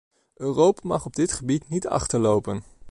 Europa mag op dit gebied niet achterlopen.